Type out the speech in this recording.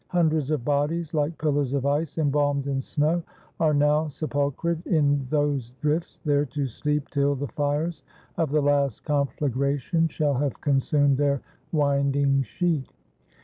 Hundreds of bodies, hke pillars of ice, embalmed in snow, are now sepulchered in those drifts, there to sleep till the fires of the last conflagration shall have consumed their winding sheet.